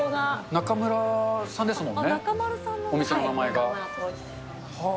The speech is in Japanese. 中村さんですもんね、お店の名前が。